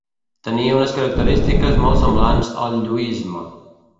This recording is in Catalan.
Tenia unes característiques molt semblants al lluïsme.